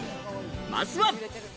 まずは。